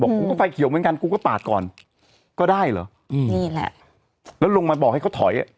กูก็ไฟเขียวเหมือนกันกูก็ปาดก่อนก็ได้เหรออืมนี่แหละแล้วลงมาบอกให้เขาถอยอ่ะ